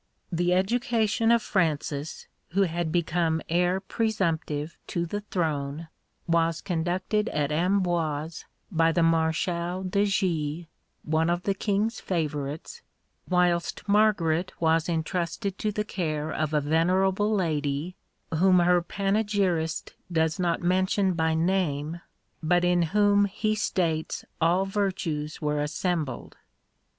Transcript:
The education of Francis, who had become heir presumptive to the throne, was conducted at Amboise by the Marshal de Gié, one of the King's favourites, whilst Margaret was intrusted to the care of a venerable lady, whom her panegyrist does not mention by name, but in whom he states all virtues were assembled.